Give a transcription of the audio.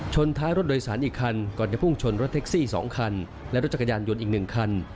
ท้ายรถโดยสารอีกคันก่อนจะพุ่งชนรถแท็กซี่๒คันและรถจักรยานยนต์อีก๑คัน